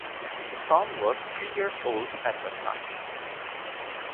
The son was three years old at that time.